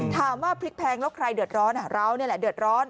ถามว่าพริกแพงแล้วใครเดือดร้อนเรานี่แหละเดือดร้อน